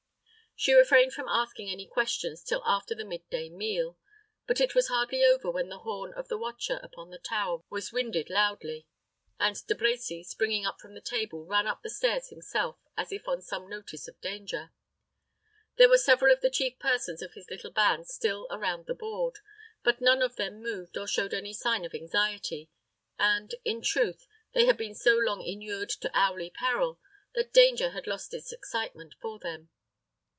She refrained from asking any questions till after the mid day meal; but it was hardly over when the horn of the watcher upon the tower was winded loudly, and De Brecy, springing up from the table, ran up the stairs himself, as if on some notice of danger. There were several of the chief persons of his little band still around the board; but none of them moved or showed any sign of anxiety, and, in truth, they had been so long inured to hourly peril that danger had lost its excitement for them.